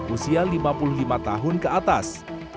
usia lima puluh lima tahun ke atas